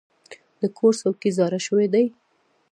د کور څوکۍ زاړه شوي دي.